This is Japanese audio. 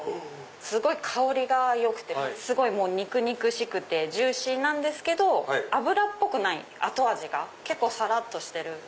すごい香りがよくて肉々しくてジューシーなんですけど脂っぽくない後味が結構さらっとしてる。